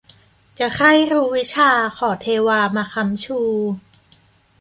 จะใคร่รู้วิชา ขอเทวามาค้ำชู